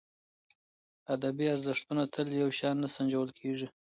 ادبي ارزښتونه تل یو شان نه سنجول کېږي.